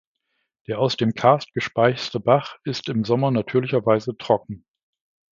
Der aus dem Karst gespeiste Bach ist im Sommer natürlicherweise trocken.